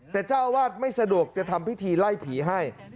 แต่เจ้าอาวาสไม่สะดวกจะทำพิธีไล่ผีให้